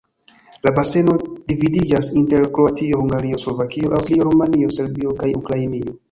La baseno dividiĝas inter Kroatio, Hungario, Slovakio, Aŭstrio, Rumanio, Serbio kaj Ukrainio.